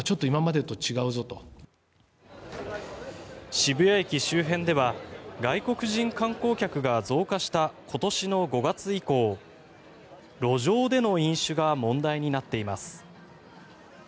渋谷駅周辺では外国人観光客が増加した今年の５月以降路上での飲酒が問題になっています。